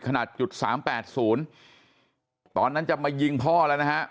ขนาด๓๘๐ตอนนั้นจะมายิงพ่อแล้วนะฮะ